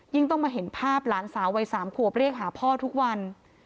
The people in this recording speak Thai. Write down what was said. ต้องมาเห็นภาพหลานสาววัย๓ขวบเรียกหาพ่อทุกวัน